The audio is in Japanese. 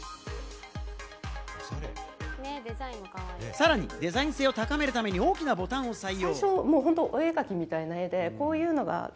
さらにデザイン性を高めるために大きなボタンを採用。